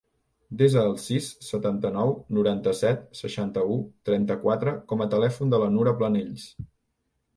Desa el sis, setanta-nou, noranta-set, seixanta-u, trenta-quatre com a telèfon de la Nura Planells.